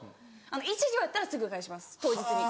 １行やったらすぐ返します当日に。